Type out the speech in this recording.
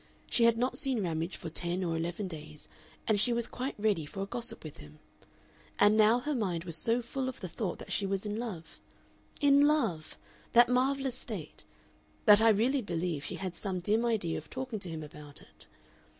She had not seen Ramage for ten or eleven days, and she was quite ready for a gossip with him. And now her mind was so full of the thought that she was in love in love! that marvellous state! that I really believe she had some dim idea of talking to him about it.